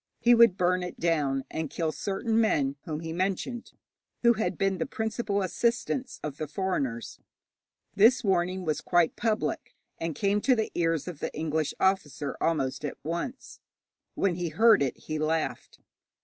He would burn it down, and kill certain men whom he mentioned, who had been the principal assistants of the foreigners. This warning was quite public, and came to the ears of the English officer almost at once. When he heard it he laughed.